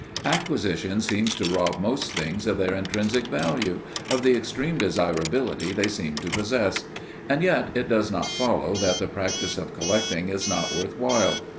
Acquisition seems to rob most things of their intrinsic value, of the extreme desirability they seemed to possess, and yet it does not follow that the practice of collecting is not worth while.